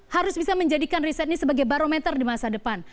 harus bisa menjadikan riset ini sebagai barometer di masa depan